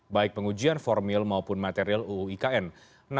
baik pengujian formil maupun material uu ikn